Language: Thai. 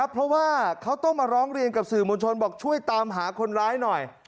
เพราะว่าเขาต้องมาร้องเรียนกับสื่อมวลชนบอกช่วยตามหาคนร้ายหน่อย